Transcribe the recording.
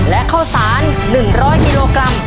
และข้าวสาร๑๐๐กิโลกรัม